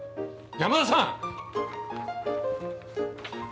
山田さん。